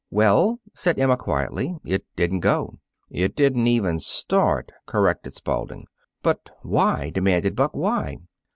"Well," said Emma quietly, "it didn't go." "It didn't even start," corrected Spalding. "But why?" demanded Buck. "Why?"